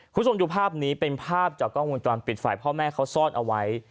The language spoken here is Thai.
คุณผู้ชมดูภาพนี้เป็นภาพจากกล้องวงจรปิดฝ่ายพ่อแม่เขาซ่อนเอาไว้